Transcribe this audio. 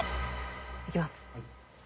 いきます。